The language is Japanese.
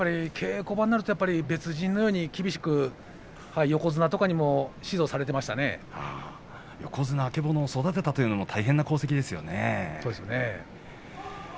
稽古場になると別人のように厳しく横綱とかにも横綱曙を育てたというのも大変な功績ですよね。